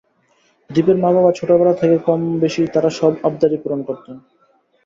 দ্বীপের মা বাবা ছোটবেলা থেকে কমবেশি তার সব আবদারই পূরণ করতেন।